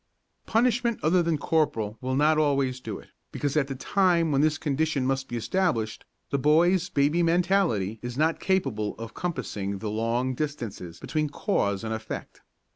Punishment other than corporal will not always do it, because at the time when this condition must be established the boy's baby mentality is not capable of compassing the long distances between cause and effect.